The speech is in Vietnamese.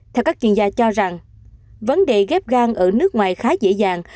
theo các chuyên gia cho rằng vấn đề ghép gan ở nước ngoài khá dễ dàng